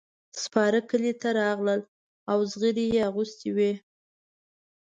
سپاره کلي ته راغلل او زغرې یې اغوستې وې.